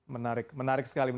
menarik menarik sekali